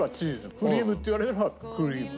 クリームって言われればクリーム。